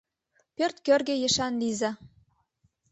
Пӧрт кӧргӧ ешан лийза!